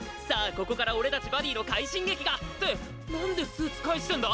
ここから俺たちバディの快進撃が！って何でスーツ返してんだ？